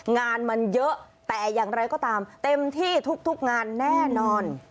งานมันเยอะแต่อย่างไรก็ตามเต็มที่ทุกงานแน่นอน